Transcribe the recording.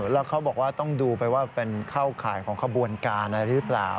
แล้วเขาบอกว่าต้องดูไปว่าเป็นเข้าข่ายของขบวนการอะไรหรือเปล่า